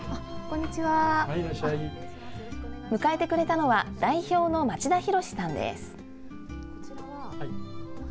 迎えてくれたのは代表の町田洋さんです。